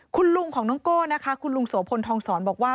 คุณลุงของน้องโก้นะคะคุณลุงโสพลทองสอนบอกว่า